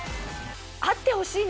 あってほしいね